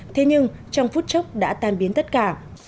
thế nhưng trong phút chốc đã tan biến tất cả